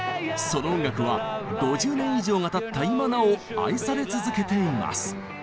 その音楽は５０年以上がたった今なお愛され続けています。